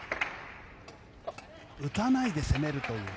打たないで攻めるという。